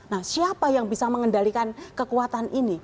nah siapa yang bisa mengendalikan kekuatan ini